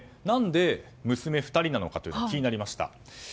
何で娘２人なのかというのが気になりました。